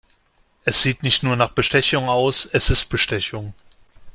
Es sieht nicht nur nach Bestechung aus, es ist Bestechung.